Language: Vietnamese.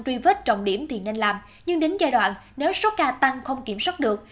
truy vết trọng điểm thì nên làm nhưng đến giai đoạn nếu số ca tăng không kiểm soát được